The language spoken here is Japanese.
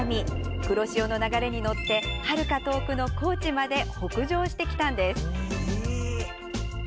黒潮の流れに乗ってはるか遠くの高知まで北上してきたんです。